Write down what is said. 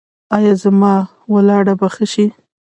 ایا زما ولاړه به ښه شي؟